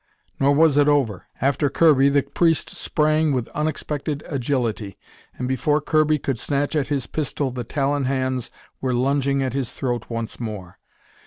Nor was it over. After Kirby the priest sprang with unexpected agility, and before Kirby could snatch at his pistol the talon hands were lunging at his throat once more.